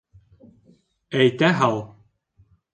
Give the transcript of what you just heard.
Әйтә һал!